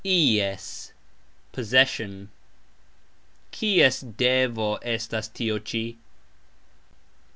"ies", possession. "Kies" devo estas tio cxi?